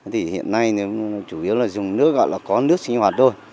thì hiện nay nếu chủ yếu là dùng nước gọi là có nước sinh hoạt thôi